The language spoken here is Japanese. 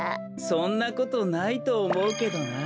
そんなことないとおもうけどな。